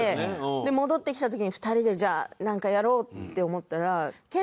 で戻ってきた時に２人でじゃあなんかやろうって思ったら。